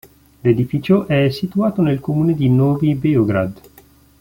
L'edificio è situato nel comune di Novi Beograd.